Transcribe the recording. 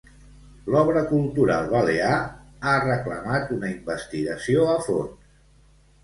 L'Obra Cultural Balear ha reclamat una investigació a fons.